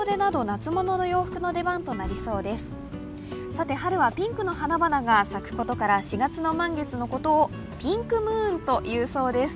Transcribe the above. さて春はピンクの花々が咲くことから４月の満月のことをピンクムーンと言うそうです。